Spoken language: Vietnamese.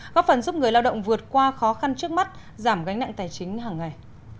góp phần giúp người lao động vượt qua khó khăn trước mắt giảm gánh nặng tài chính hàng ngày